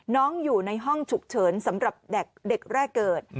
อยู่ในห้องฉุกเฉินสำหรับเด็กแรกเกิด